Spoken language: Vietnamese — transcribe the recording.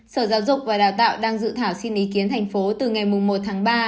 sở giáo dục và đào tạo đang dự thảo xin ý kiến thành phố từ ngày một tháng ba